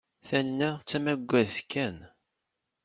Taninna d tamaggadt kan.